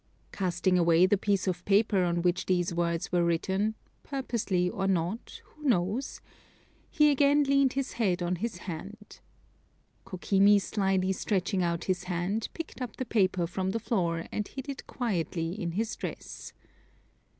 Casting away the piece of paper on which these words were written purposely or not, who knows? he again leaned his head on his hand. Kokimi slyly stretching out his hand, picked up the paper from the floor, and hid it quickly in his dress.